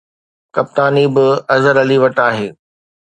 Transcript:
ڪپتاني به اظهر علي وٽ آهي